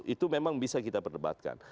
itu memang bisa kita perdebatkan